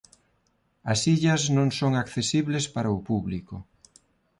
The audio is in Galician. As illas non son accesibles para o público.